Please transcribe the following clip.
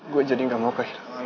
gue jadi gak mau kehilangan lolan